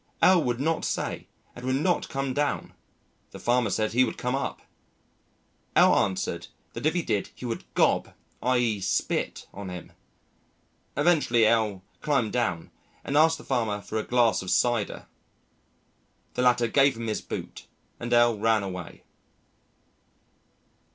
L would not say and would not come down. The farmer said he would come up. L answered that if he did he would "gob" [i.e. spit] on him. Eventually L climbed down and asked the farmer for a glass of cider. The latter gave him his boot and L ran away.